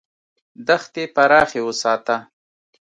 دښتې پراخې وساته.